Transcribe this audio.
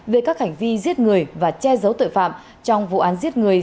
về các hành vi giết người và che giấu tội phạm trong vụ án giết người